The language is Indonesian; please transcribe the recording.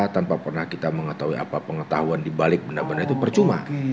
tanpa pernah kita mengetahui apa pengetahuan dibalik benda benda itu percuma